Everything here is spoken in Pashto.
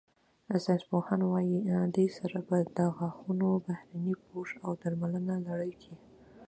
ساینسپوهان وايي، دې سره به د غاښونو بهرني پوښ او درملنې لړ کې